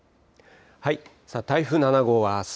台風７号はあす